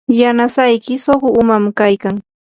yanasayki suqu umanam kaykan.